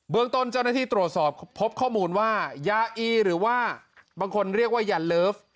ต้นเจ้าหน้าที่ตรวจสอบพบข้อมูลว่ายาอีหรือว่าบางคนเรียกว่ายาเลิฟ